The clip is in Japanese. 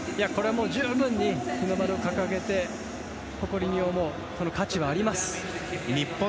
十分に日の丸を掲げて誇りに思う価値はあります。